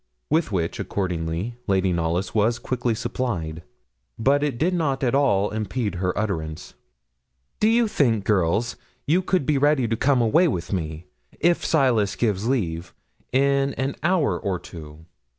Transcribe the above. With which accordingly Lady Knollys was quickly supplied; but it did not at all impede her utterance. 'Do you think, girls, you could be ready to come away with me, if Silas gives leave, in an hour or two?